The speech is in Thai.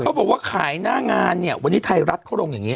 บอกว่าขายหน้างานเนี่ยวันนี้ไทยรัฐเขาลงอย่างนี้